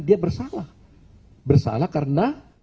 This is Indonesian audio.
dia bersalah bersalah karena